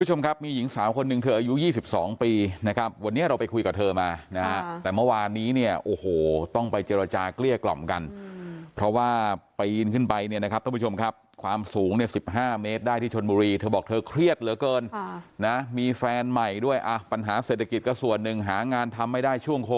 คุณผู้ชมครับมีหญิงสาวคนหนึ่งเธออายุ๒๒ปีนะครับวันนี้เราไปคุยกับเธอมานะฮะแต่เมื่อวานนี้เนี่ยโอ้โหต้องไปเจรจาเกลี้ยกล่อมกันเพราะว่าปีนขึ้นไปเนี่ยนะครับท่านผู้ชมครับความสูงเนี่ย๑๕เมตรได้ที่ชนบุรีเธอบอกเธอเครียดเหลือเกินนะมีแฟนใหม่ด้วยอ่ะปัญหาเศรษฐกิจก็ส่วนหนึ่งหางานทำไม่ได้ช่วงโค